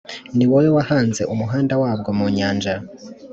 ni wowe wahanze umuhanda wabwo mu nyanja,